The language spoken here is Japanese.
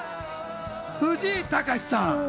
藤井隆さん。